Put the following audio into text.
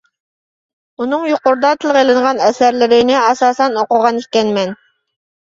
ئۇنىڭ يۇقىرىدا تىلغا ئېلىنغان ئەسەرلىرىنى ئاساسەن ئوقۇغان ئىكەنمەن.